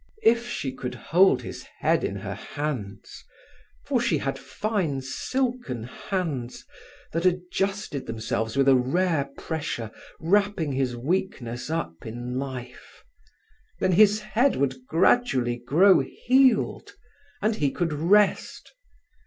If she could hold his head in her hands—for she had fine, silken hands that adjusted themselves with a rare pressure, wrapping his weakness up in life—then his head would gradually grow healed, and he could rest.